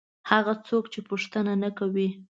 هغه څوک چې پوښتنه نه کوي.